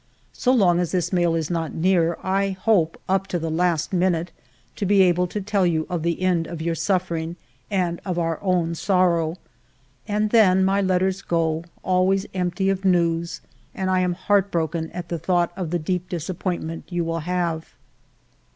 So long as this mail is not near, I hope up to the last minute to be able to tell you of the end of your suffering and of our own sorrow. And then my letters go, always empty of news, and I am heart broken at the thought of the deep disappointment you will have."